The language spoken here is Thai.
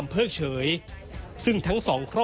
แม่จะมาเรียกร้องอะไร